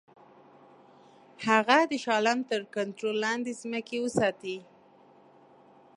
هغه د شاه عالم تر کنټرول لاندي ځمکې وساتي.